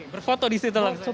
berfoto di situ langsung